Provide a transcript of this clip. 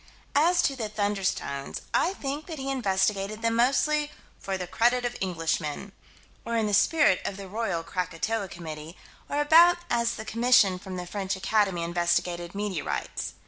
As to the "thunderstones," I think that he investigated them mostly "for the credit of Englishmen," or in the spirit of the Royal Krakatoa Committee, or about as the commission from the French Academy investigated meteorites.